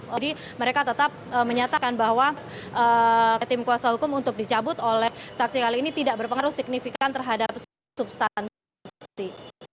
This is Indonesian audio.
jadi mereka tetap menyatakan bahwa tim kuasa hukum untuk dicabut oleh saksi kali ini tidak berpengaruh signifikan terhadap substansi